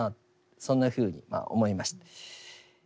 そんなふうに思いました。